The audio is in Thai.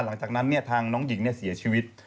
หลังจากนั้นเนี่ยทางน้องหญิงเนี่ยเสียชีวิต